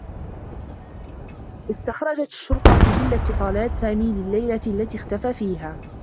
أستخرجت الشرطة سجل اتّصالات سامي للّيلة التي اختفى فيها.